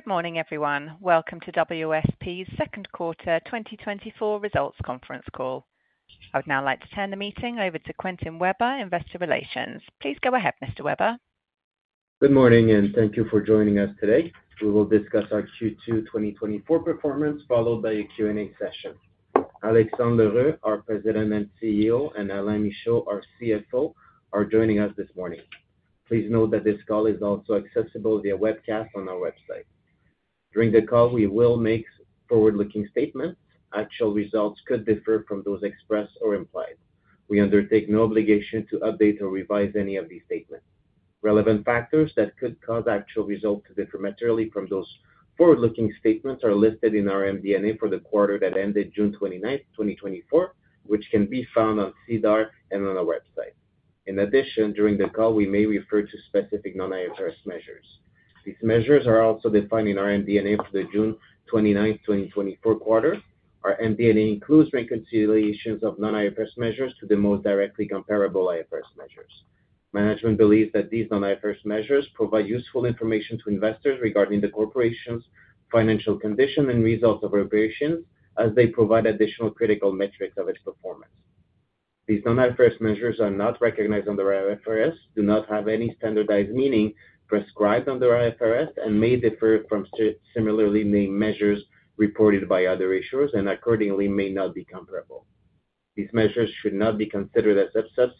Good morning, everyone. Welcome to WSP's second quarter 2024 results conference call. I would now like to turn the meeting over to Quentin Weber, Investor Relations. Please go ahead, Mr. Weber. Good morning, and thank you for joining us today. We will discuss our Q2 2024 performance, followed by a Q&A session. Alexandre L'Heureux, our President and CEO, and Alain Michaud, our CFO, are joining us this morning. Please note that this call is also accessible via webcast on our website. During the call, we will make forward-looking statements. Actual results could differ from those expressed or implied. We undertake no obligation to update or revise any of these statements. Relevant factors that could cause actual results to differ materially from those forward-looking statements are listed in our MD&A for the quarter that ended June 29, 2024, which can be found on SEDAR and on our website. In addition, during the call, we may refer to specific non-IFRS measures. These measures are also defined in our MD&A for the June 29, 2024 quarter. Our MD&A includes reconciliations of non-IFRS measures to the most directly comparable IFRS measures. Management believes that these non-IFRS measures provide useful information to investors regarding the corporation's financial condition and results of operations, as they provide additional critical metrics of its performance. These non-IFRS measures are not recognized under IFRS, do not have any standardized meaning prescribed under IFRS, and may differ from similarly named measures reported by other issuers and accordingly may not be comparable. These measures should not be considered as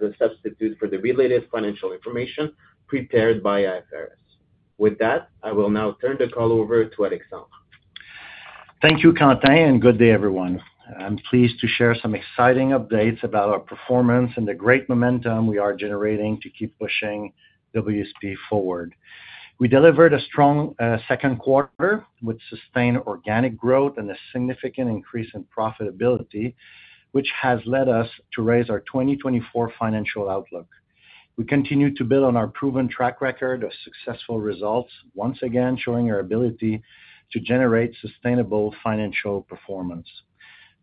a substitute for the related financial information prepared by IFRS. With that, I will now turn the call over to Alexandre. Thank you, Quentin, and good day, everyone. I'm pleased to share some exciting updates about our performance and the great momentum we are generating to keep pushing WSP forward. We delivered a strong second quarter with sustained organic growth and a significant increase in profitability, which has led us to raise our 2024 financial outlook. We continue to build on our proven track record of successful results, once again, showing our ability to generate sustainable financial performance.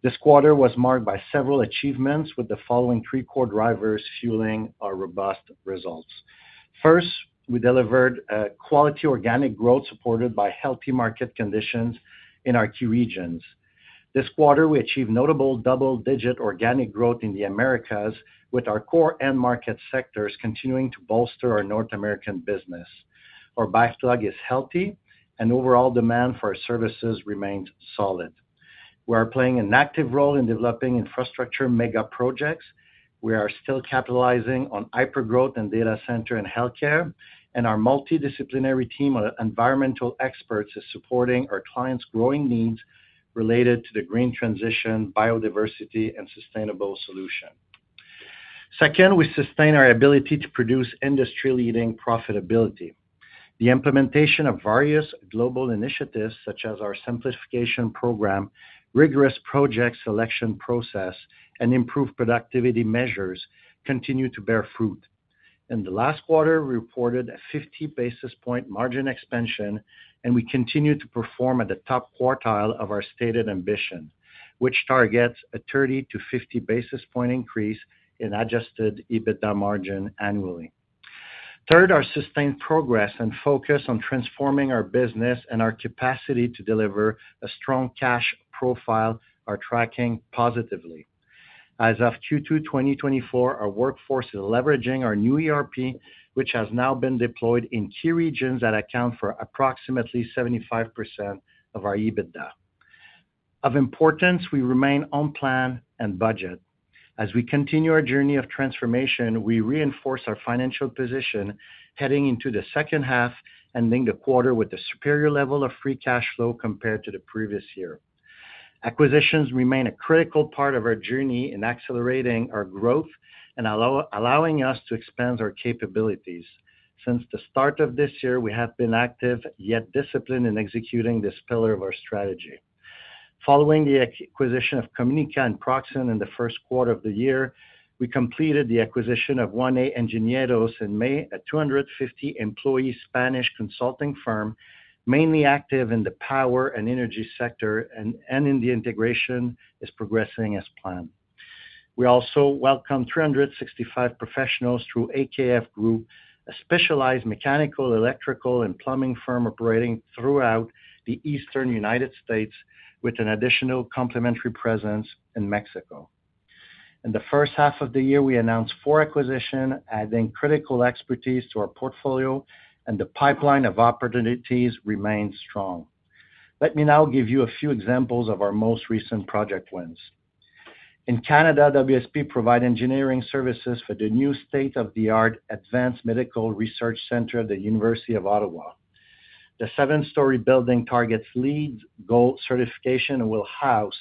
This quarter was marked by several achievements with the following three core drivers fueling our robust results. First, we delivered a quality organic growth supported by healthy market conditions in our key regions. This quarter, we achieved notable double-digit organic growth in the Americas, with our core end market sectors continuing to bolster our North American business. Our backlog is healthy and overall demand for our services remains solid. We are playing an active role in developing infrastructure mega projects. We are still capitalizing on hypergrowth and data center and healthcare, and our multidisciplinary team of environmental experts is supporting our clients' growing needs related to the green transition, biodiversity, and sustainable solution. Second, we sustain our ability to produce industry-leading profitability. The implementation of various global initiatives, such as our simplification program, rigorous project selection process, and improved productivity measures, continue to bear fruit. In the last quarter, we reported a 50 basis point margin expansion, and we continue to perform at the top quartile of our stated ambition, which targets a 30-50 basis point increase in Adjusted EBITDA margin annually. Third, our sustained progress and focus on transforming our business and our capacity to deliver a strong cash profile are tracking positively. As of Q2 2024, our workforce is leveraging our new ERP, which has now been deployed in key regions that account for approximately 75% of our EBITDA. Of importance, we remain on plan and budget. As we continue our journey of transformation, we reinforce our financial position, heading into the second half, ending the quarter with a superior level of free cash flow compared to the previous year. Acquisitions remain a critical part of our journey in accelerating our growth and allowing us to expand our capabilities. Since the start of this year, we have been active, yet disciplined, in executing this pillar of our strategy. Following the acquisition of Communica and Proxion in the first quarter of the year, we completed the acquisition of 1A Ingenieros. Ingenieros in May, a 250-employee Spanish consulting firm, mainly active in the power and energy sector, and in the integration is progressing as planned. We also welcome 365 professionals through AKF Group, a specialized mechanical, electrical, and plumbing firm operating throughout the eastern United States, with an additional complementary presence in Mexico. In the first half of the year, we announced four acquisitions, adding critical expertise to our portfolio, and the pipeline of opportunities remains strong. Let me now give you a few examples of our most recent project wins. In Canada, WSP provide engineering services for the new state-of-the-art Advanced Medical Research Center at the University of Ottawa. The seven-story building targets LEED Gold certification and will house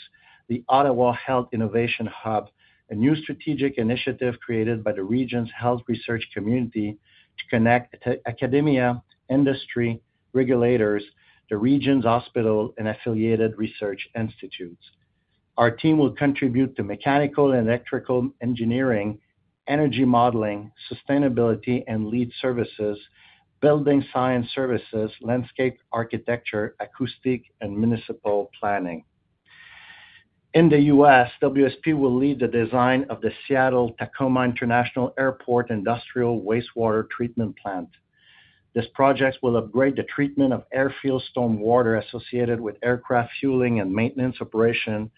the Ottawa Health Innovation Hub, a new strategic initiative created by the region's health research community to connect academia, industry, regulators, the region's hospital, and affiliated research institutes. Our team will contribute to mechanical and electrical engineering, energy modeling, sustainability, and LEED services, building science services, landscape architecture, acoustic, and municipal planning.... In the U.S., WSP will lead the design of the Seattle-Tacoma International Airport Industrial Wastewater Treatment Plant. This project will upgrade the treatment of airfield stormwater associated with aircraft fueling and maintenance operation,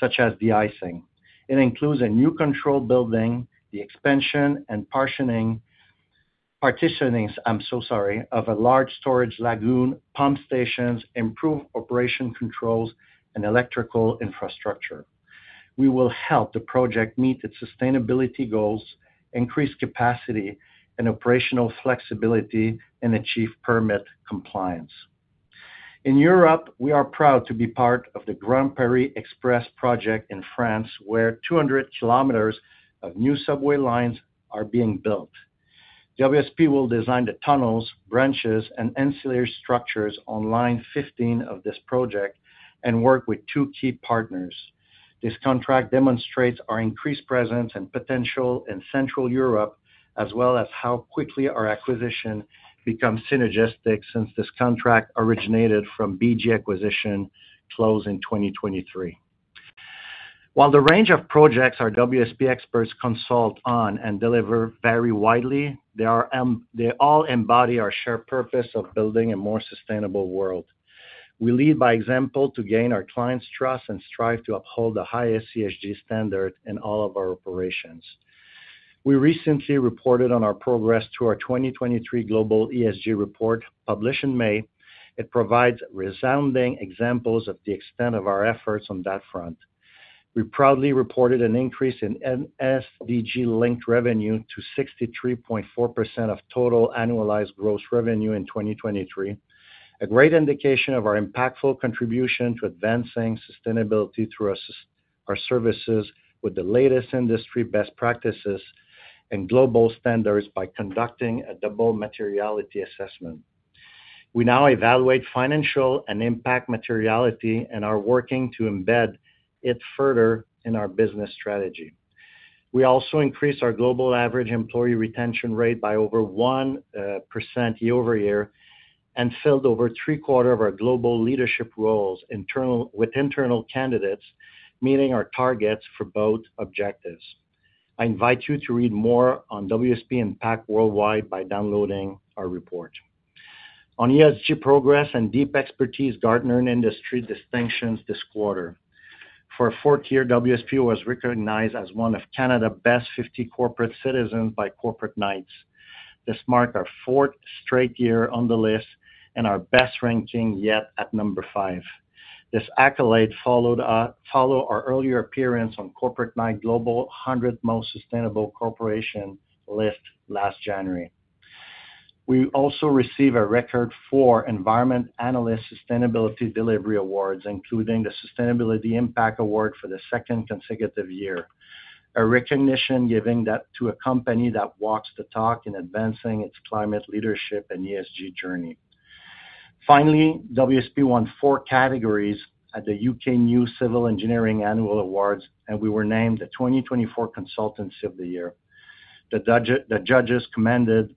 such as de-icing. It includes a new control building, the expansion and partitioning of a large storage lagoon, pump stations, improved operation controls, and electrical infrastructure. We will help the project meet its sustainability goals, increase capacity and operational flexibility, and achieve permit compliance. In Europe, we are proud to be part of the Grand Paris Express project in France, where 200 kilometers of new subway lines are being built. WSP will design the tunnels, branches, and ancillary structures on Line 15 of this project and work with two key partners. This contract demonstrates our increased presence and potential in Central Europe, as well as how quickly our acquisition becomes synergistic since this contract originated from BG acquisition close in 2023. While the range of projects our WSP experts consult on and deliver vary widely, they all embody our shared purpose of building a more sustainable world. We lead by example to gain our clients' trust and strive to uphold the highest ESG standard in all of our operations. We recently reported on our progress through our 2023 global ESG report, published in May. It provides resounding examples of the extent of our efforts on that front. We proudly reported an increase in SDG-linked revenue to 63.4% of total annualized gross revenue in 2023. A great indication of our impactful contribution to advancing sustainability through our our services with the latest industry best practices and global standards by conducting a Double Materiality Assessment. We now evaluate financial and impact materiality and are working to embed it further in our business strategy. We also increased our global average employee retention rate by over 1% year-over-year, and filled over three-quarters of our global leadership roles internal, with internal candidates, meeting our targets for both objectives. I invite you to read more on WSP Impact Worldwide by downloading our report. On ESG progress and deep expertise, gartner and industry distinctions this quarter. For a fourth year, WSP was recognized as one of Canada's Best 50 Corporate Citizens by Corporate Knights. This marked our fourth straight year on the list and our best ranking yet at number 5. This accolade followed our earlier appearance on Corporate Knights Global 100 Most Sustainable Corporations list last January. We also receive a record four Environment Analyst Sustainability Delivery Awards, including the Sustainability Impact Award for the second consecutive year, a recognition giving that to a company that walks the talk in advancing its climate leadership and ESG journey. Finally, WSP won four categories at the U.K. New Civil Engineer Annual Awards, and we were named the 2024 Consultancy of the Year. The judges commended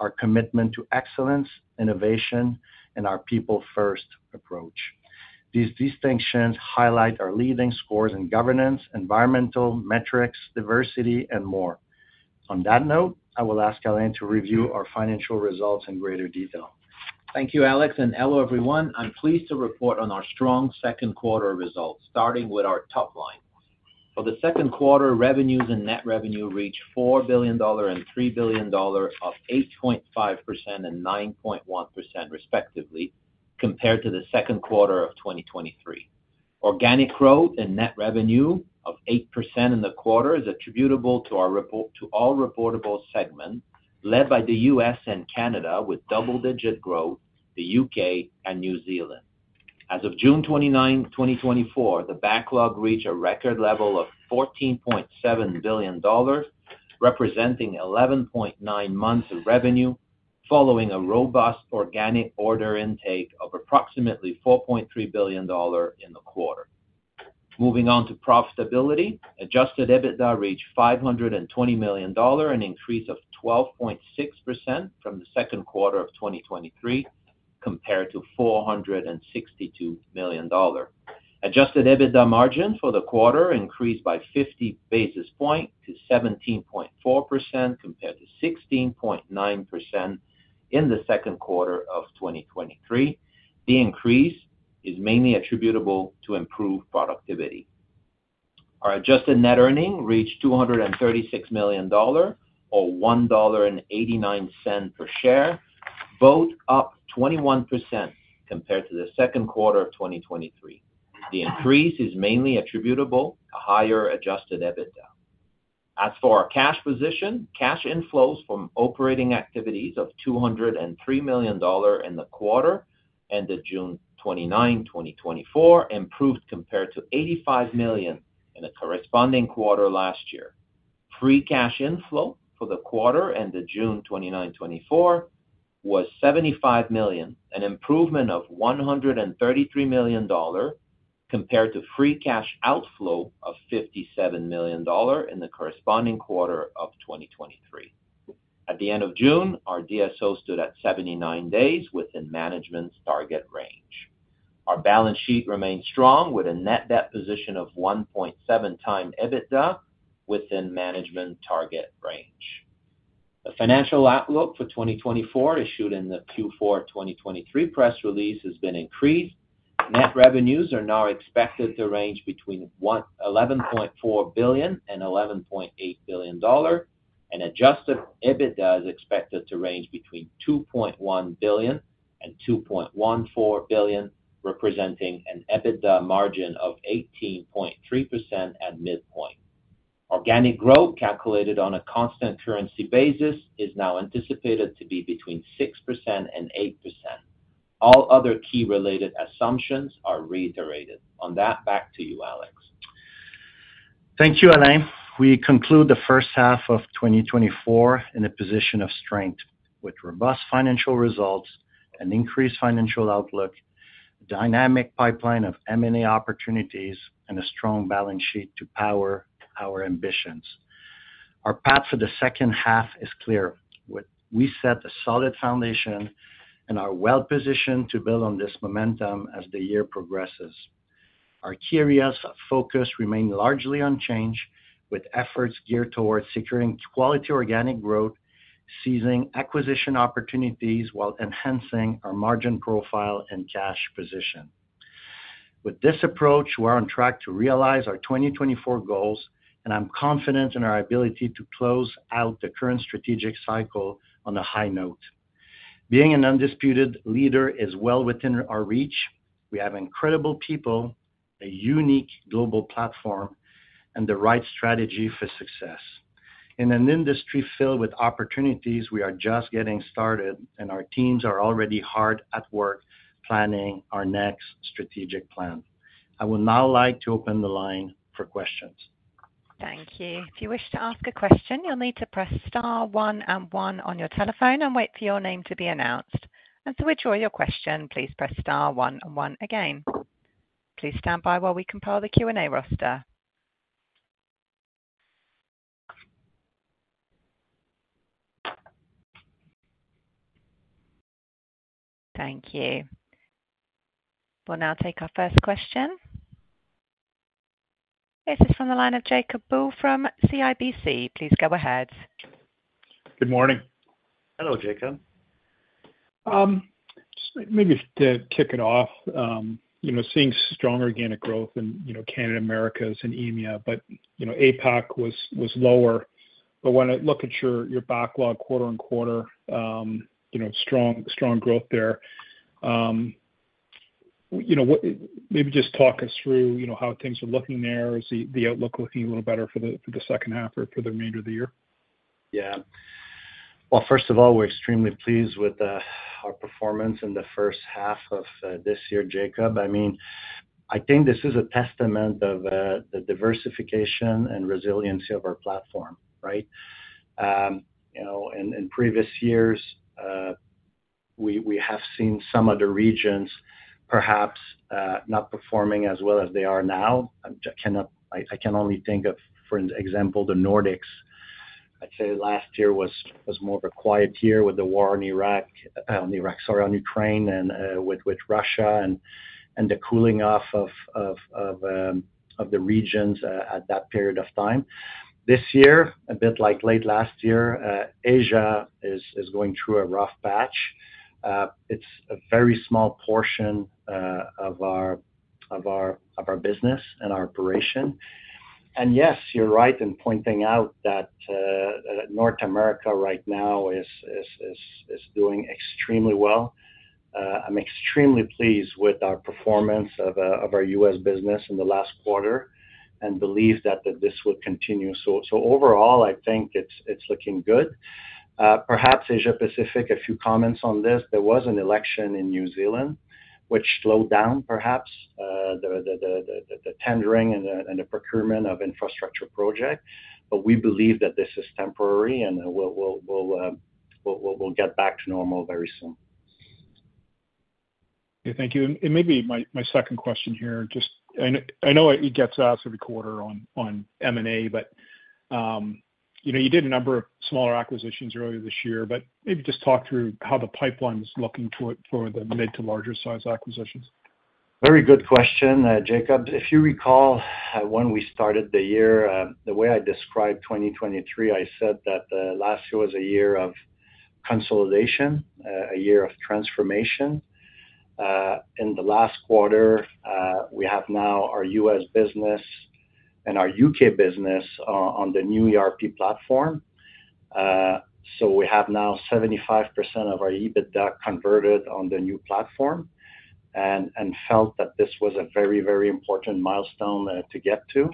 our commitment to excellence, innovation, and our people-first approach. These distinctions highlight our leading scores in governance, environmental metrics, diversity, and more. On that note, I will ask Alain to review our financial results in greater detail. Thank you, Alex, and hello, everyone. I'm pleased to report on our strong second quarter results, starting with our top line. For the second quarter, revenues and net revenue reached 4 billion dollar and 3 billion dollar, up 8.5% and 9.1%, respectively, compared to the second quarter of 2023. Organic growth and net revenue of 8% in the quarter is attributable to our report, to all reportable segments, led by the U.S. and Canada, with double-digit growth, the U.K. and New Zealand. As of June 29, 2024, the backlog reached a record level of 14.7 billion dollars, representing 11.9 months of revenue, following a robust organic order intake of approximately 4.3 billion dollar in the quarter. Moving on to profitability. Adjusted EBITDA reached 520 million dollar, an increase of 12.6% from the second quarter of 2023, compared to 462 million dollar. Adjusted EBITDA margin for the quarter increased by 50 basis points to 17.4%, compared to 16.9% in the second quarter of 2023. The increase is mainly attributable to improved productivity. Our adjusted net earnings reached 236 million dollar, or 1.89 dollar per share, both up 21% compared to the second quarter of 2023. The increase is mainly attributable to higher adjusted EBITDA. As for our cash position, cash inflows from operating activities of 203 million dollar in the quarter, ended June 29, 2024, improved compared to 85 million in the corresponding quarter last year. Free cash inflow for the quarter ended June 29, 2024, was 75 million, an improvement of 133 million dollars, compared to free cash outflow of 57 million dollars in the corresponding quarter of 2023. At the end of June, our DSO stood at 79 days within management's target range. Our balance sheet remains strong, with a net debt position of 1.7 times EBITDA within management target range. The financial outlook for 2024, issued in the Q4 2023 press release, has been increased. Net revenues are now expected to range between 11.4 billion and 11.8 billion dollars, and adjusted EBITDA is expected to range between 2.1 billion and 2.14 billion, representing an EBITDA margin of 18.3% at midpoint. Organic growth, calculated on a constant currency basis, is now anticipated to be between 6% and 8%. All other key related assumptions are reiterated. On that, back to you, Alex. Thank you, Alain. We conclude the first half of 2024 in a position of strength, with robust financial results and increased financial outlook, dynamic pipeline of M&A opportunities, and a strong balance sheet to power our ambitions. Our path for the second half is clear. We set a solid foundation and are well positioned to build on this momentum as the year progresses. Our key areas of focus remain largely unchanged, with efforts geared towards securing quality organic growth, seizing acquisition opportunities while enhancing our margin profile and cash position. With this approach, we're on track to realize our 2024 goals, and I'm confident in our ability to close out the current strategic cycle on a high note. Being an undisputed leader is well within our reach. We have incredible people, a unique global platform, and the right strategy for success. In an industry filled with opportunities, we are just getting started, and our teams are already hard at work planning our next strategic plan. I would now like to open the line for questions. Thank you. If you wish to ask a question, you'll need to press star one and one on your telephone and wait for your name to be announced. And to withdraw your question, please press star one and one again. Please stand by while we compile the Q&A roster. Thank you. We'll now take our first question. This is from the line of Jacob Bout from CIBC. Please go ahead. Good morning. Hello, Jacob. Just maybe to kick it off, you know, seeing stronger organic growth in, you know, Canada, Americas and EMEA, but, you know, APAC was lower. But when I look at your backlog quarter-over-quarter, you know, strong growth there, you know, maybe just talk us through, you know, how things are looking there. Is the outlook looking a little better for the second half or for the remainder of the year? Yeah. Well, first of all, we're extremely pleased with our performance in the first half of this year, Jacob. I mean, I think this is a testament of the diversification and resiliency of our platform, right? You know, in previous years, we have seen some other regions perhaps not performing as well as they are now. I can only think of, for example, the Nordics. I'd say last year was more of a quiet year with the war in Ukraine, sorry, on Ukraine and with Russia and the cooling off of the regions at that period of time. This year, a bit like late last year, Asia is going through a rough patch. It's a very small portion of our business and our operation. And yes, you're right in pointing out that North America right now is doing extremely well. I'm extremely pleased with our performance of our U.S. business in the last quarter and believe that this will continue. So overall, I think it's looking good. Perhaps Asia Pacific, a few comments on this. There was an election in New Zealand which slowed down, perhaps, the tendering and the procurement of infrastructure projects, but we believe that this is temporary, and we'll get back to normal very soon. Yeah, thank you. And maybe my, my second question here, just... And I know it gets asked every quarter on, on M&A, but, you know, you did a number of smaller acquisitions earlier this year, but maybe just talk through how the pipeline is looking for, for the mid to larger size acquisitions. Very good question, Jacob. If you recall, when we started the year, the way I described 2023, I said that the last year was a year of consolidation, a year of transformation. In the last quarter, we have now our U.S. business and our U.K. business on, on the new ERP platform. So we have now 75% of our EBITDA converted on the new platform and, and felt that this was a very, very important milestone, to get to.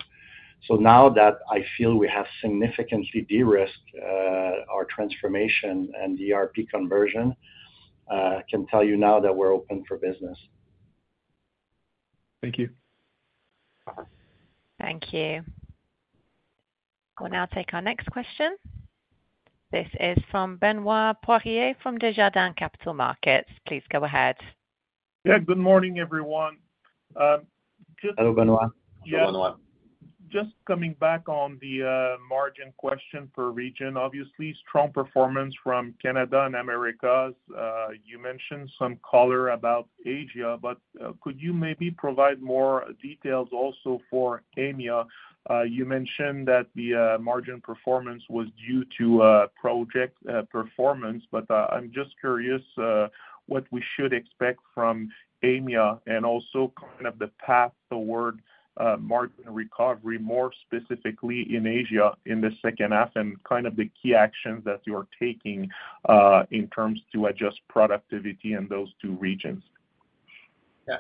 So now that I feel we have significantly de-risked, our transformation and the ERP conversion, I can tell you now that we're open for business. Thank you. Thank you. We'll now take our next question. This is from Benoit Poirier, from Desjardins Capital Markets. Please go ahead.... Yeah, good morning, everyone. Just- Hello, Benoit. Yeah. Hello, Benoit. Just coming back on the margin question per region. Obviously, strong performance from Canada and Americas. You mentioned some color about Asia, but could you maybe provide more details also for EMEA? You mentioned that the margin performance was due to project performance, but I'm just curious what we should expect from EMEA and also kind of the path toward margin recovery, more specifically in Asia in the second half, and kind of the key actions that you are taking in terms to adjust productivity in those two regions? Yeah.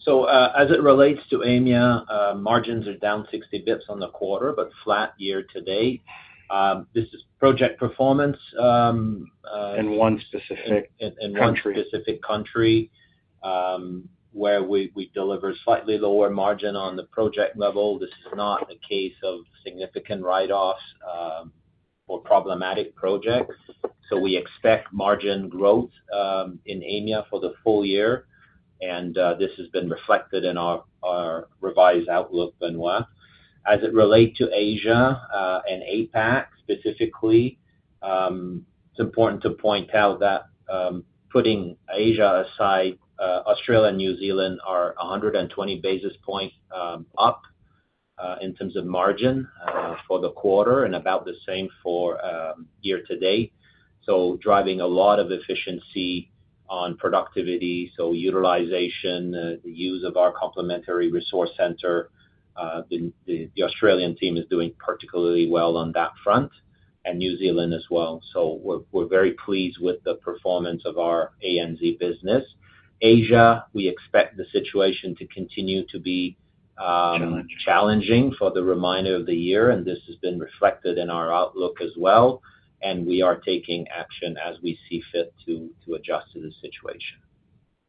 So, as it relates to EMEA, margins are down 60 basis points on the quarter, but flat year to date. This is project performance, In one specific country. In one specific country, where we delivered slightly lower margin on the project level. This is not a case of significant write-offs or problematic projects. So we expect margin growth in EMEA for the full year, and this has been reflected in our revised outlook, Benoit. As it relate to Asia and APAC, specifically, it's important to point out that, putting Asia aside, Australia and New Zealand are 120 basis points up in terms of margin for the quarter and about the same for year to date. So driving a lot of efficiency on productivity, so utilization, the use of our complementary resource center. The Australian team is doing particularly well on that front, and New Zealand as well. So we're very pleased with the performance of our ANZ business. Asia, we expect the situation to continue to be, Challenging... challenging for the remainder of the year, and this has been reflected in our outlook as well, and we are taking action as we see fit to adjust to the situation.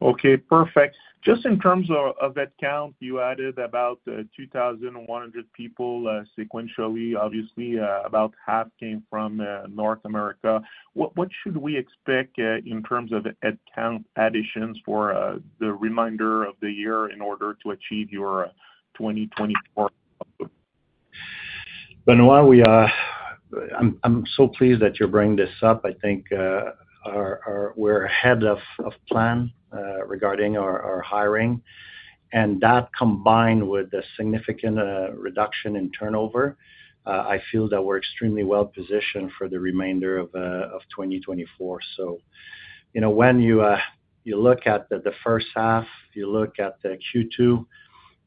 Okay, perfect. Just in terms of head count, you added about 2,100 people sequentially. Obviously, about half came from North America. What should we expect in terms of head count additions for the remainder of the year in order to achieve your 2024 goal? Benoit, I'm so pleased that you're bringing this up. I think we're ahead of plan regarding our hiring, and that, combined with the significant reduction in turnover, I feel that we're extremely well positioned for the remainder of 2024. So, you know, when you look at the first half, you look at the Q2, you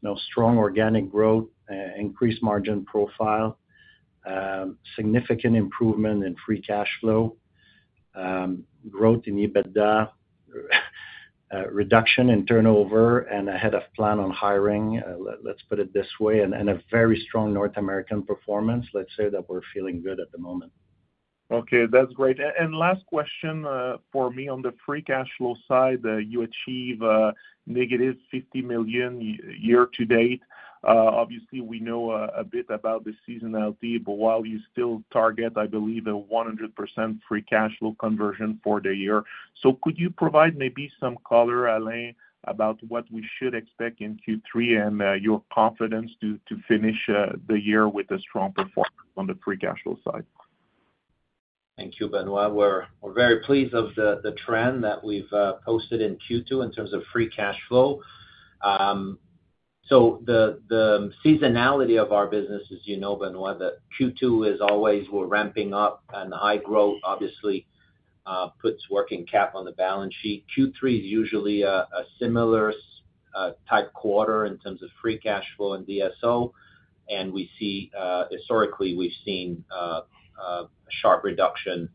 know, strong organic growth, increased margin profile, significant improvement in free cash flow, growth in EBITDA, reduction in turnover and ahead of plan on hiring, let's put it this way, and a very strong North American performance. Let's say that we're feeling good at the moment. Okay, that's great. And last question, for me, on the free cash flow side, you achieve, negative 50 million year to date. Obviously, we know, a bit about the seasonality, but while you still target, I believe, a 100% free cash flow conversion for the year. So could you provide maybe some color, Alain, about what we should expect in Q3 and, your confidence to finish, the year with a strong performance on the free cash flow side? Thank you, Benoit. We're very pleased of the trend that we've posted in Q2 in terms of free cash flow. So the seasonality of our business, as you know, Benoit, that Q2 is always we're ramping up, and the high growth obviously puts working cap on the balance sheet. Q3 is usually a similar type quarter in terms of free cash flow and DSO, and we see historically we've seen a sharp reduction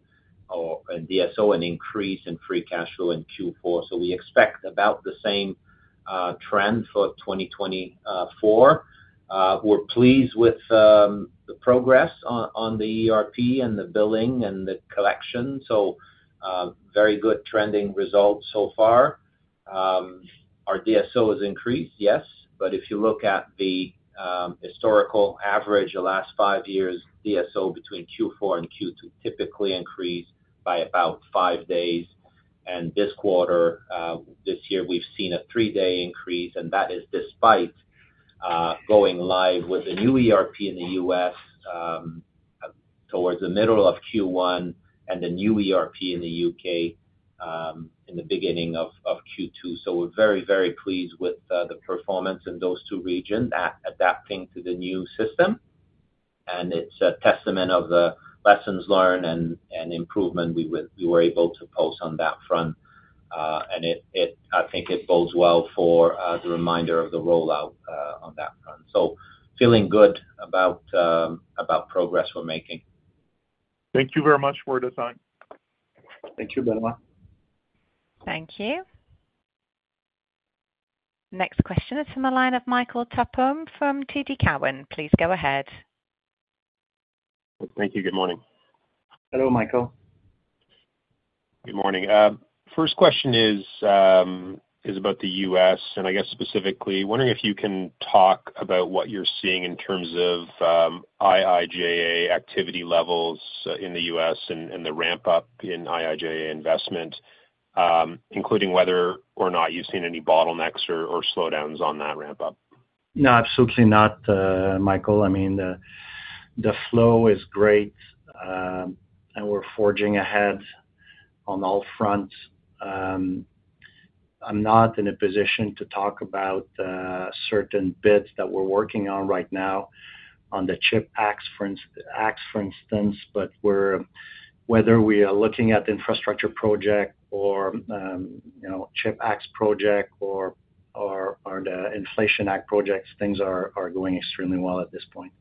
or in DSO, an increase in free cash flow in Q4. So we expect about the same trend for 2024. We're pleased with the progress on the ERP and the billing and the collection, so very good trending results so far. Our DSO has increased, yes, but if you look at the historical average, the last five years, DSO between Q4 and Q2 typically increase by about five days. And this quarter, this year, we've seen a three-day increase, and that is despite going live with the new ERP in the U.S., towards the middle of Q1 and the new ERP in the U.K., in the beginning of Q2. So we're very, very pleased with the performance in those two regions adapting to the new system, and it's a testament of the lessons learned and improvement we were able to post on that front. And it I think it bodes well for the remainder of the rollout on that front. So feeling good about progress we're making. Thank you very much. We're done. Thank you, Benoit. Thank you. Next question is from the line of Michael Tupholme from TD Cowen. Please go ahead. Thank you. Good morning. Hello, Michael. Good morning. First question is about the U.S. and I guess specifically, wondering if you can talk about what you're seeing in terms of IIJA activity levels in the U.S. and the ramp up in IIJA investment, including whether or not you've seen any bottlenecks or slowdowns on that ramp up?... No, absolutely not, Michael. I mean, the flow is great, and we're forging ahead on all fronts. I'm not in a position to talk about certain bids that we're working on right now on the CHIPS Acts, for instance. But whether we are looking at the infrastructure project or, you know, CHIPS Acts project or the Inflation Act projects, things are going extremely well at this point.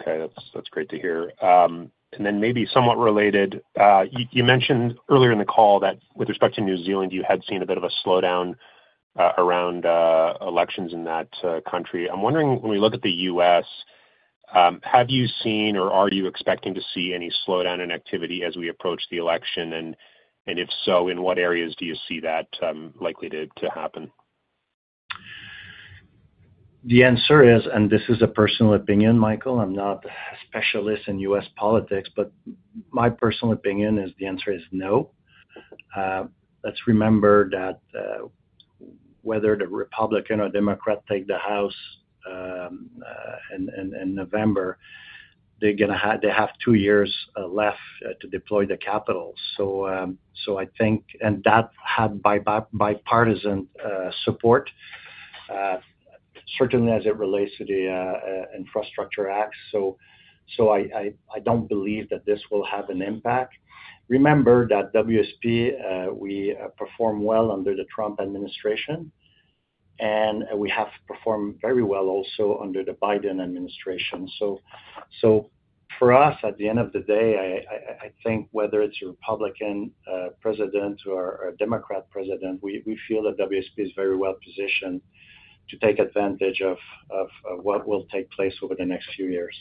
Okay, that's, that's great to hear. And then maybe somewhat related, you mentioned earlier in the call that with respect to New Zealand, you had seen a bit of a slowdown around elections in that country. I'm wondering, when we look at the U.S., have you seen or are you expecting to see any slowdown in activity as we approach the election? And, and if so, in what areas do you see that likely to happen? The answer is, and this is a personal opinion, Michael, I'm not a specialist in U.S. politics, but my personal opinion is the answer is no. Let's remember that, whether the Republican or Democrat take the House, in November, they're gonna have—they have two years left to deploy the capital. So, so I think... And that had bipartisan support, certainly as it relates to the Infrastructure Act. So, so I don't believe that this will have an impact. Remember that WSP, we performed well under the Trump administration, and, we have performed very well also under the Biden administration. So for us, at the end of the day, I think whether it's a Republican president or a Democrat president, we feel that WSP is very well positioned to take advantage of what will take place over the next few years.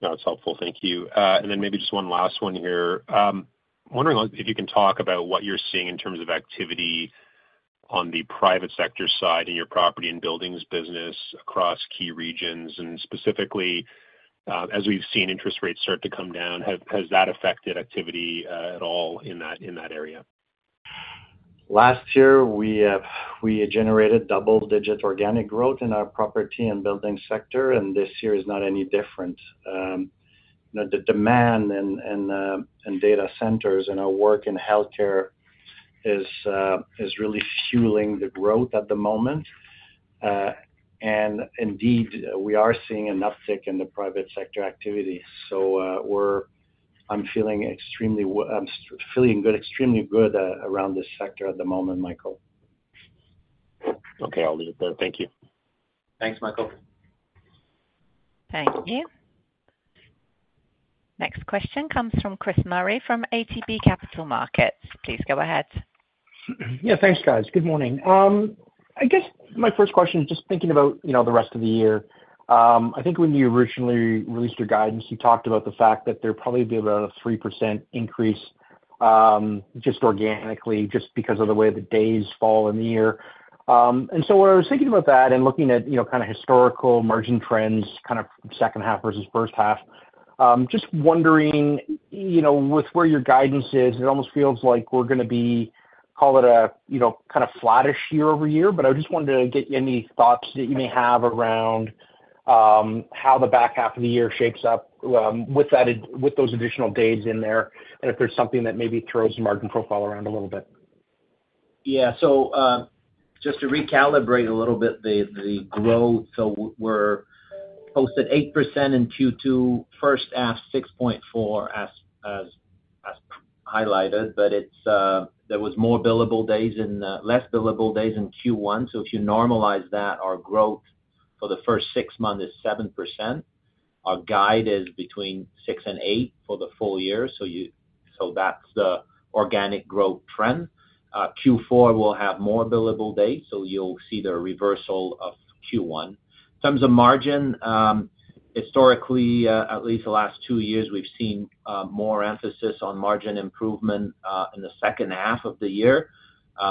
That's helpful. Thank you. And then maybe just one last one here. Wondering if you can talk about what you're seeing in terms of activity on the private sector side in your property and buildings business across key regions, and specifically, as we've seen interest rates start to come down, has that affected activity at all in that area? Last year, we generated double-digit organic growth in our property and building sector, and this year is not any different. The demand in data centers and our work in healthcare is really fueling the growth at the moment. And indeed, we are seeing an uptick in the private sector activity. So, I'm feeling good, extremely good, around this sector at the moment, Michael. Okay, I'll leave it there. Thank you. Thanks, Michael. Thank you. Next question comes from Chris Murray from ATB Capital Markets. Please go ahead. Yeah, thanks, guys. Good morning. I guess my first question is just thinking about, you know, the rest of the year. I think when you originally released your guidance, you talked about the fact that there'd probably be about a 3% increase, just organically, just because of the way the days fall in the year. And so when I was thinking about that and looking at, you know, kind of historical margin trends, kind of second half versus first half, just wondering, you know, with where your guidance is, it almost feels like we're gonna be, call it a, you know, kind of flattish year-over-year. But I just wanted to get any thoughts that you may have around how the back half of the year shapes up, with those additional days in there, and if there's something that maybe throws the margin profile around a little bit. Yeah. So, just to recalibrate a little bit the growth, so we're posted 8% in Q2, first half, 6.4%, as highlighted, but there was less billable days in Q1. So if you normalize that, our growth for the first six months is 7%. Our guide is between 6% and 8% for the full year. So that's the organic growth trend. Q4 will have more billable days, so you'll see the reversal of Q1. In terms of margin, historically, at least the last two years, we've seen more emphasis on margin improvement in the second half of the year.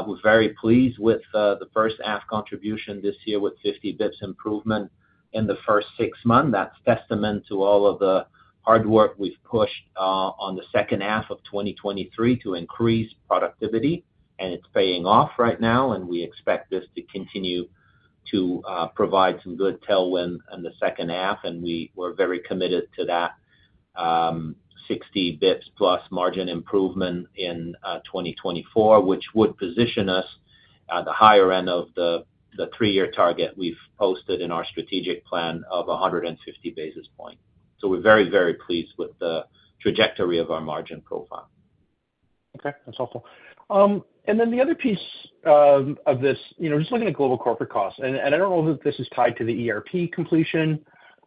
We're very pleased with the first half contribution this year, with 50 basis points improvement in the first six months. That's testament to all of the hard work we've pushed on the second half of 2023 to increase productivity, and it's paying off right now, and we expect this to continue to provide some good tailwind in the second half, and we're very committed to that 60 basis points plus margin improvement in 2024, which would position us at the higher end of the three-year target we've posted in our strategic plan of 150 basis points. So we're very, very pleased with the trajectory of our margin profile. Okay, that's helpful. And then the other piece of this, you know, just looking at global corporate costs, and I don't know if this is tied to the ERP completion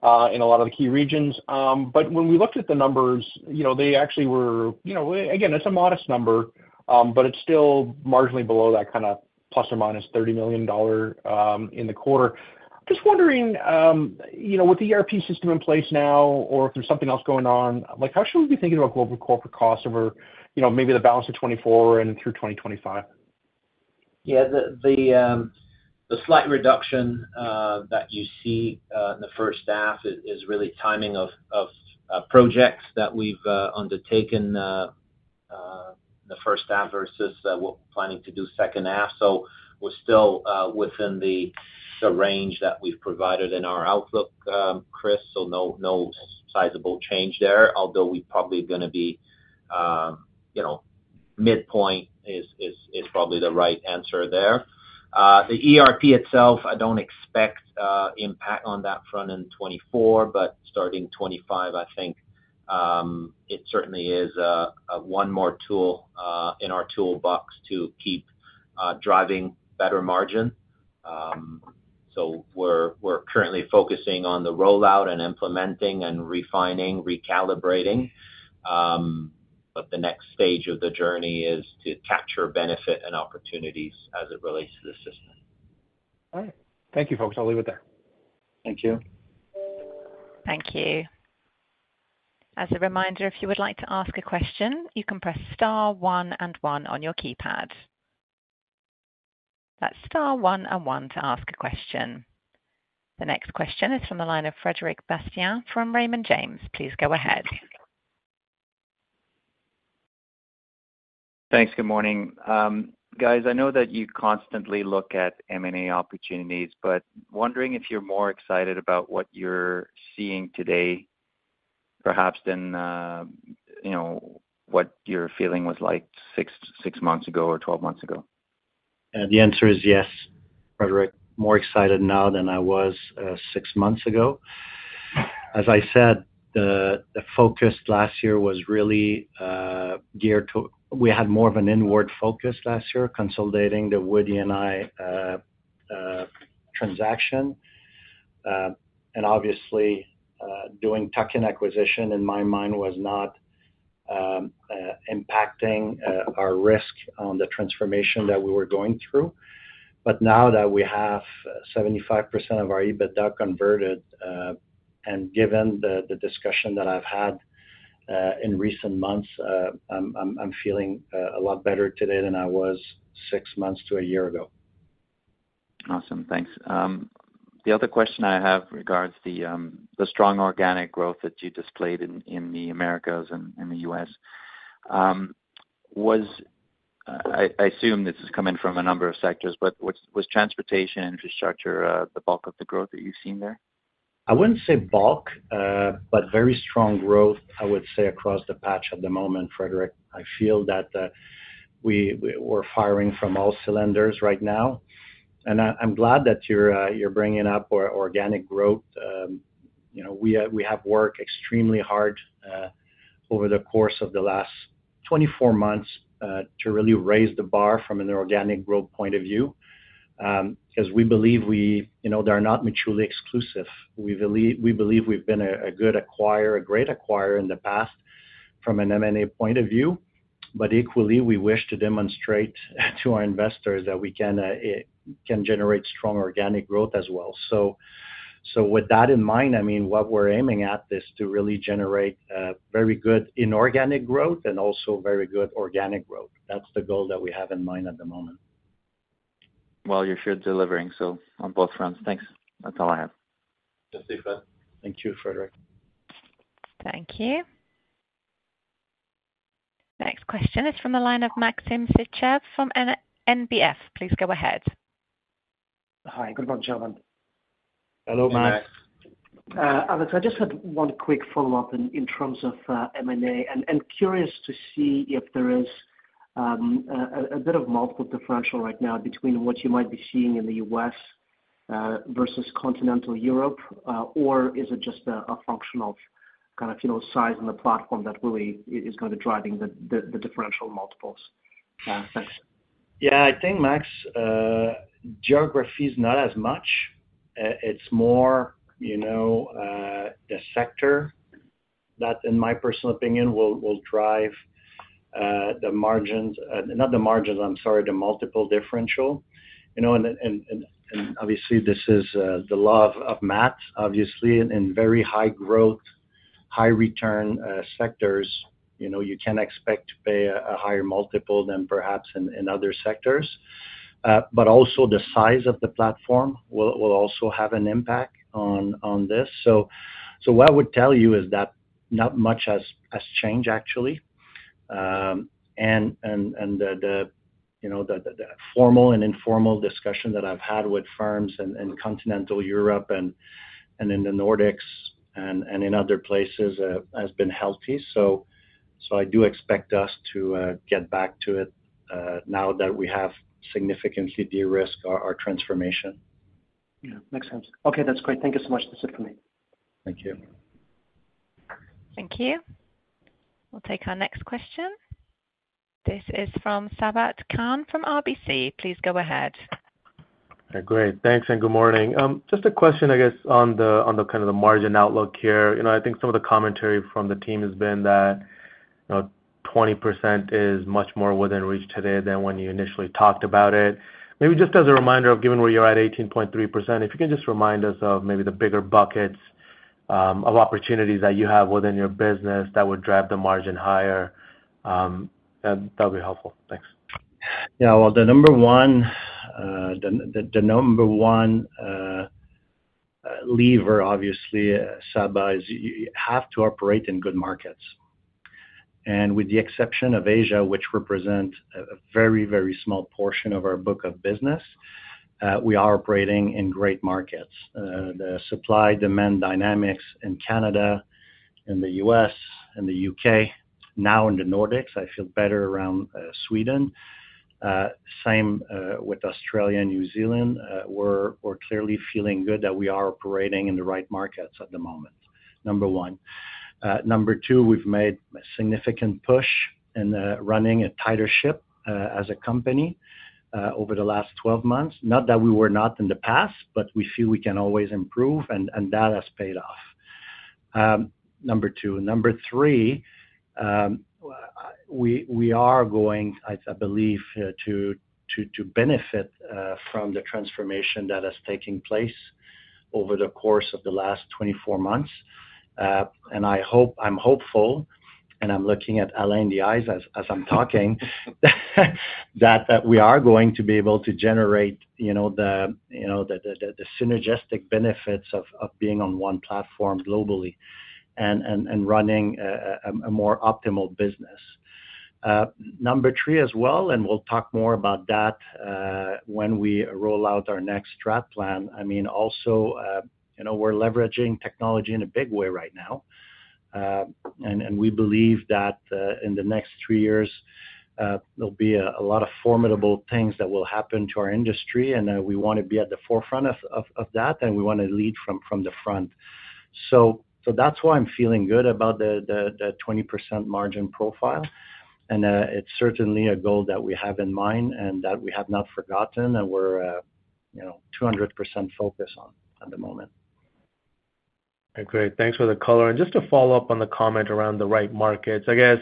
in a lot of the key regions, but when we looked at the numbers, you know, they actually were, you know... Again, it's a modest number, but it's still marginally below that kind of ±$30 million in the quarter. Just wondering, you know, with the ERP system in place now, or if there's something else going on, like, how should we be thinking about global corporate costs over, you know, maybe the balance of 2024 and through 2025? Yeah, the slight reduction that you see in the first half is really timing of projects that we've undertaken.... the first half versus what we're planning to do second half. So we're still within the range that we've provided in our outlook, Chris, so no sizable change there, although we're probably gonna be, you know, midpoint is probably the right answer there. The ERP itself, I don't expect impact on that front in 2024, but starting 2025, I think it certainly is one more tool in our toolbox to keep driving better margin. So we're currently focusing on the rollout and implementing and refining, recalibrating, but the next stage of the journey is to capture benefit and opportunities as it relates to the system. All right. Thank you, folks. I'll leave it there. Thank you. Thank you. As a reminder, if you would like to ask a question, you can press star one and one on your keypad. That's star one and one to ask a question. The next question is from the line of Frederic Bastien from Raymond James. Please go ahead. Thanks. Good morning. Guys, I know that you constantly look at M&A opportunities, but wondering if you're more excited about what you're seeing today, perhaps than, you know, what your feeling was like six months ago or 12 months ago? The answer is yes, Frederic. More excited now than I was six months ago. As I said, the focus last year was really geared to—we had more of an inward focus last year, consolidating the Wood E&I transaction. And obviously, doing tuck-in acquisition, in my mind, was not impacting our risk on the transformation that we were going through. But now that we have 75% of our EBITDA converted, and given the discussion that I've had in recent months, I'm feeling a lot better today than I was six months to a year ago. Awesome. Thanks. The other question I have regards the strong organic growth that you displayed in the Americas and in the U.S. I assume this is coming from a number of sectors, but was transportation infrastructure the bulk of the growth that you've seen there? I wouldn't say bulk, but very strong growth, I would say, across the board at the moment, Frederic. I feel that, we're firing on all cylinders right now, and I'm glad that you're bringing up organic growth. You know, we have worked extremely hard over the course of the last 24 months to really raise the bar from an organic growth point of view, because we believe we... You know, they are not mutually exclusive. We believe we've been a good acquirer, a great acquirer in the past from an M&A point of view, but equally, we wish to demonstrate to our investors that we can generate strong organic growth as well. So with that in mind, I mean, what we're aiming at is to really generate very good inorganic growth and also very good organic growth. That's the goal that we have in mind at the moment. Well, you're sure delivering, so on both fronts. Thanks. That's all I have. Thanks for that. Thank you, Frederic. Thank you. Next question is from the line of Maxim Sytchev from NBF. Please go ahead. Hi. Good morning, gentlemen. Hello, Max. Good day. Alex, I just had one quick follow-up in terms of M&A. And, I'm curious to see if there is a bit of multiple differential right now between what you might be seeing in the U.S. versus continental Europe, or is it just a function of kind of, you know, size and the platform that really is going to be driving the differential multiples? Thanks. Yeah, I think, Max, geography is not as much. It's more, you know, the sector that, in my personal opinion, will drive the multiple differential. You know, and obviously, this is the law of math, obviously, in very high growth, high return sectors, you know, you can expect to pay a higher multiple than perhaps in other sectors. But also the size of the platform will also have an impact on this. So what I would tell you is that not much has changed, actually. And the, you know, the formal and informal discussion that I've had with firms in continental Europe and in the Nordics and in other places has been healthy. So I do expect us to get back to it now that we have significantly de-risked our transformation. Yeah, makes sense. Okay, that's great. Thank you so much. That's it for me. Thank you. Thank you. We'll take our next question. This is from Sabahat Khan from RBC. Please go ahead. Great. Thanks, and good morning. Just a question, I guess, on the kind of the margin outlook here. You know, I think some of the commentary from the team has been that, you know, 20% is much more within reach today than when you initially talked about it. Maybe just as a reminder of given where you're at 18.3%, if you could just remind us of maybe the bigger buckets of opportunities that you have within your business that would drive the margin higher, that'd be helpful. Thanks. Yeah, well, the number one lever, obviously, Saba, is you have to operate in good markets. With the exception of Asia, which represent a very, very small portion of our book of business, we are operating in great markets. The supply-demand dynamics in Canada, in the U.S., in the U.K., now in the Nordics, I feel better around Sweden. Same with Australia and New Zealand. We're clearly feeling good that we are operating in the right markets at the moment, number one. Number two, we've made a significant push in running a tighter ship as a company over the last 12 months. Not that we were not in the past, but we feel we can always improve, and that has paid off, number two. Number three, we are going, I believe, to benefit from the transformation that has taken place over the course of the last 24 months. And I hope. I'm hopeful, and I'm looking at Alain in the eyes as I'm talking, that we are going to be able to generate, you know, the synergistic benefits of being on one platform globally and running a more optimal business. Number three as well, and we'll talk more about that when we roll out our next strat plan. I mean, also, you know, we're leveraging technology in a big way right now. We believe that in the next three years, there'll be a lot of formidable things that will happen to our industry, and we wanna be at the forefront of that, and we wanna lead from the front. So that's why I'm feeling good about the 20% margin profile, and it's certainly a goal that we have in mind and that we have not forgotten, and we're, you know, 200% focused on at the moment. Okay, thanks for the color. Just to follow up on the comment around the right markets. I guess,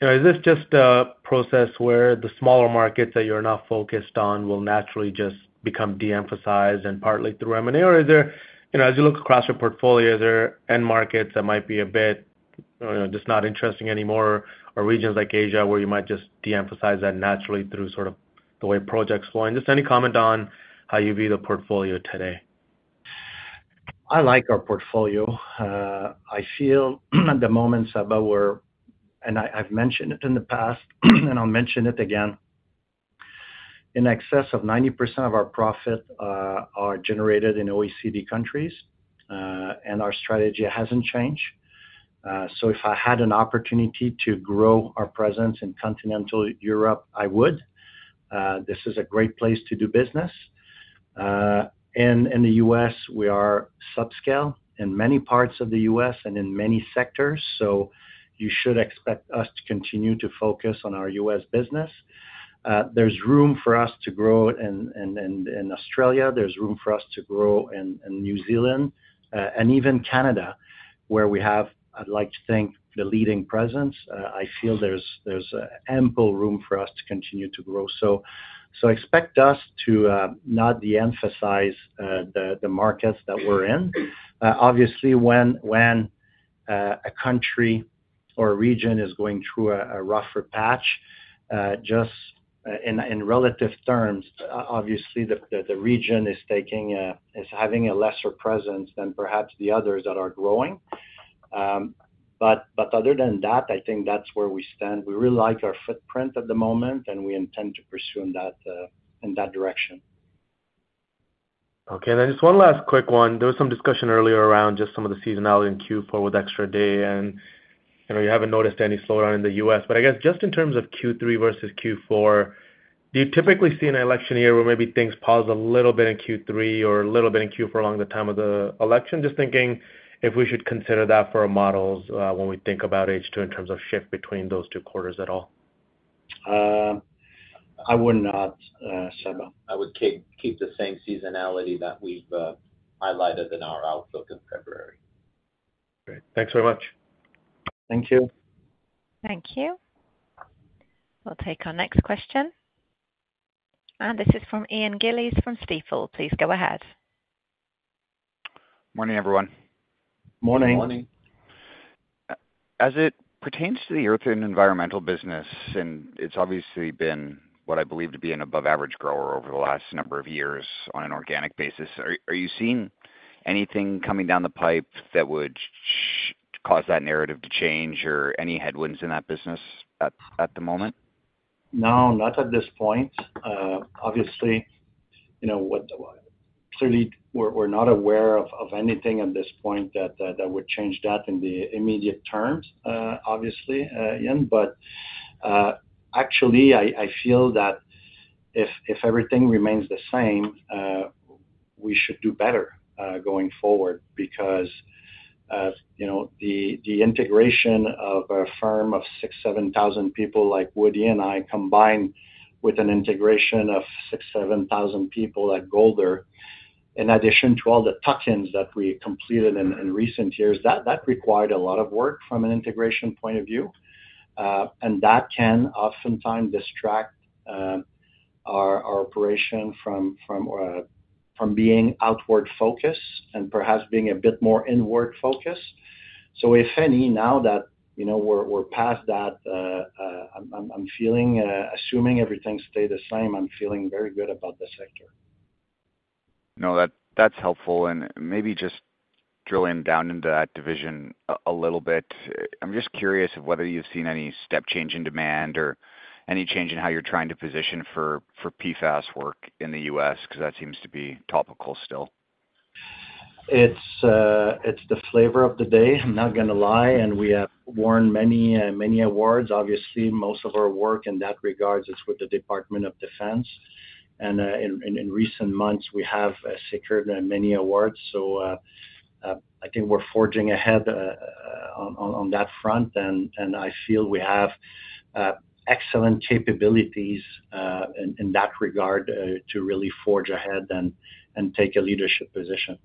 you know, is this just a process where the smaller markets that you're not focused on will naturally just become de-emphasized and partly through M&A? Or is there... You know, as you look across your portfolio, are there end markets that might be a bit, just not interesting anymore, or regions like Asia, where you might just de-emphasize that naturally through sort of the way projects flow? And just any comment on how you view the portfolio today. I like our portfolio. I feel at the moment, Saba, we're – and I, I've mentioned it in the past, and I'll mention it again. In excess of 90% of our profit are generated in OECD countries, and our strategy hasn't changed. So if I had an opportunity to grow our presence in continental Europe, I would. This is a great place to do business. And in the U.S., we are subscale in many parts of the U.S. and in many sectors, so you should expect us to continue to focus on our U.S. business. There's room for us to grow in Australia, there's room for us to grow in New Zealand, and even Canada, where we have, I'd like to think, the leading presence. I feel there's ample room for us to continue to grow. So expect us to not de-emphasize the markets that we're in. Obviously, when a country or a region is going through a rougher patch, just in relative terms, obviously the region is taking a... is having a lesser presence than perhaps the others that are growing. But other than that, I think that's where we stand. We really like our footprint at the moment, and we intend to pursue in that direction. Okay, then just one last quick one. There was some discussion earlier around just some of the seasonality in Q4 with extra day, and, you know, you haven't noticed any slowdown in the U.S. But I guess, just in terms of Q3 versus Q4, do you typically see an election year where maybe things pause a little bit in Q3 or a little bit in Q4 along the time of the election? Just thinking if we should consider that for our models, when we think about H2 in terms of shift between those two quarters at all. I would not, Saba. I would keep the same seasonality that we've highlighted in our outlook in February. Great. Thanks so much. Thank you. Thank you. We'll take our next question. This is from Ian Gillies from Stifel. Please go ahead. Morning, everyone. Morning. Morning. As it pertains to the earth and environmental business, and it's obviously been what I believe to be an above average grower over the last number of years on an organic basis, are you seeing anything coming down the pipe that would cause that narrative to change or any headwinds in that business at the moment? No, not at this point. Obviously, you know, clearly, we're not aware of anything at this point that would change that in the immediate terms, obviously, Ian. But actually, I feel that if everything remains the same, we should do better going forward. Because you know, the integration of a firm of 6-7 thousand people like Wood E&I, combined with an integration of six-seven thousand people at Golder, in addition to all the tuck-ins that we completed in recent years, that required a lot of work from an integration point of view. And that can oftentimes distract our operation from being outward focused and perhaps being a bit more inward focused. So, now that, you know, we're past that, I'm feeling, assuming everything stay the same, I'm feeling very good about the sector. No, that's helpful. And maybe just drilling down into that division a little bit. I'm just curious of whether you've seen any step change in demand or any change in how you're trying to position for PFAS work in the U.S., 'cause that seems to be topical still. It's the flavor of the day, I'm not gonna lie, and we have won many awards. Obviously, most of our work in that regards is with the Department of Defense. And in recent months, we have secured many awards. So I think we're forging ahead on that front, and I feel we have excellent capabilities in that regard to really forge ahead and take a leadership position.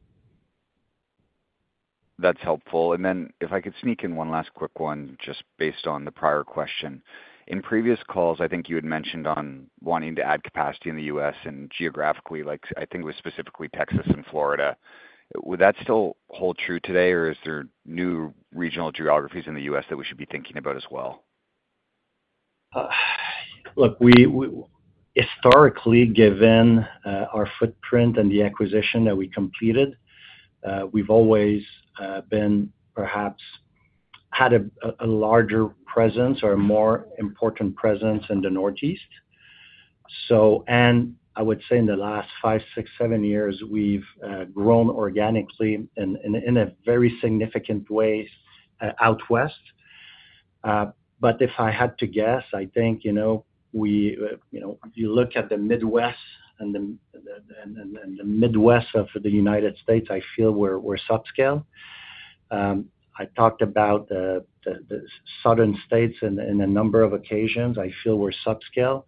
That's helpful. And then if I could sneak in one last quick one, just based on the prior question. In previous calls, I think you had mentioned on wanting to add capacity in the U.S. and geographically, like, I think it was specifically Texas and Florida. Would that still hold true today, or is there new regional geographies in the U.S. that we should be thinking about as well? Look, we historically, given our footprint and the acquisition that we completed, we've always been, perhaps had a larger presence or a more important presence in the Northeast. So, and I would say in the last five, six, seven years, we've grown organically in a very significant way out West. But if I had to guess, I think, you know, we, you know, if you look at the Midwest and the Midwest of the United States, I feel we're subscale. I talked about the Southern states in a number of occasions, I feel we're subscale.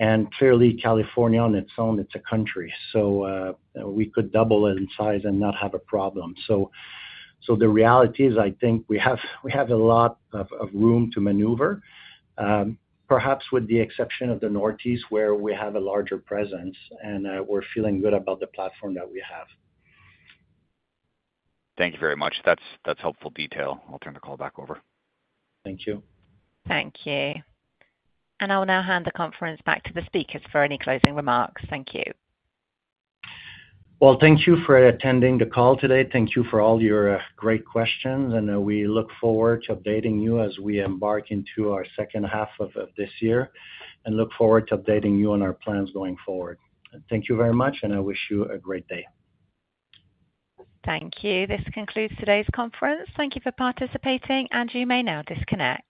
And clearly, California on its own, it's a country, so we could double it in size and not have a problem. So, the reality is, I think we have a lot of room to maneuver, perhaps with the exception of the Northeast, where we have a larger presence, and we're feeling good about the platform that we have. Thank you very much. That's, that's helpful detail. I'll turn the call back over. Thank you. Thank you. I'll now hand the conference back to the speakers for any closing remarks. Thank you. Well, thank you for attending the call today. Thank you for all your great questions, and we look forward to updating you as we embark into our second half of this year, and look forward to updating you on our plans going forward. Thank you very much, and I wish you a great day. Thank you. This concludes today's conference. Thank you for participating, and you may now disconnect.